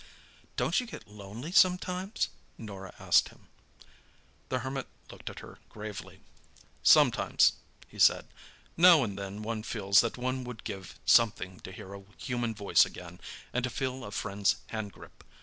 "Don't you get lonely sometimes?" Norah asked him. The Hermit looked at her gravely. "Sometimes," he said. "Now and then one feels that one would give something to hear a human voice again, and to feel a friend's hand grip.